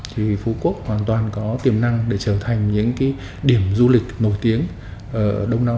thì phú quốc hoàn toàn có tiềm năng để trở thành những điểm du lịch nổi tiếng